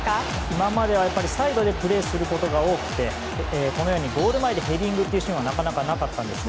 今まではサイドでプレーすることが多くてこのようにゴール前でヘディングというシーンはなかなかなかったんです。